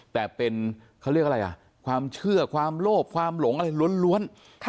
แต่เป็นเขาเรียกอะไรอ่ะความเชื่อความโลภความหลงอะไรล้วน